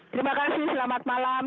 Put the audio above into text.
terima kasih selamat malam